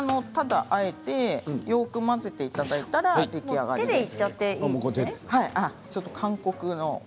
ただあえてよく混ぜていただいたら出来上がりです。